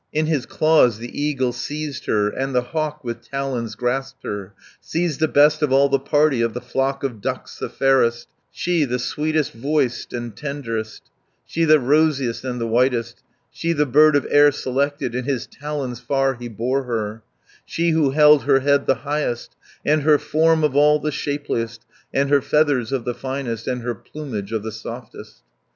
"In his claws the eagle seized her, And the hawk with talons grasped her, Seized the best of all the party, Of the flock of ducks the fairest, She the sweetest voiced and tenderest, She the rosiest and the whitest, 400 She the bird of air selected, In his talons far he bore her, She who held her head the highest, And her form of all the shapeliest, And her feathers of the finest, And her plumage of the softest."